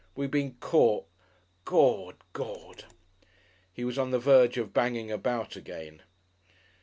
We been caught. Gord!... Gord!" He was on the verge of "banging about" again.